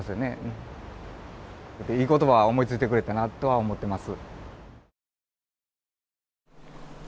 いい言葉を思いついてくれたなとは思ってます。